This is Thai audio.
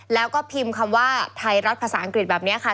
แล้วก็พิมพ์คำว่าไทยรัฐภาษาอังกฤษแบบนี้ค่ะ